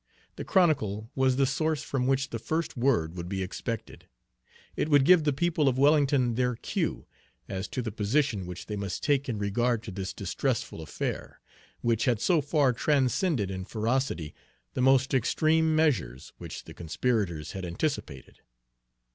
The Chronicle was the source from which the first word would be expected; it would give the people of Wellington their cue as to the position which they must take in regard to this distressful affair, which had so far transcended in ferocity the most extreme measures which the conspirators had anticipated.